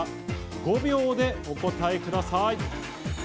５秒でお答えください。